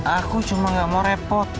aku cuma gak mau repot